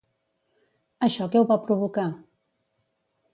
Això què ho va provocar?